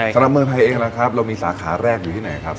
สำหรับเมืองไทยเองนะครับเรามีสาขาแรกอยู่ที่ไหนครับ